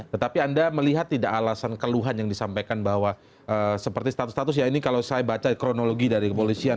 tetapi anda melihat tidak alasan keluhan yang disampaikan bahwa seperti status status ya ini kalau saya baca kronologi dari kepolisian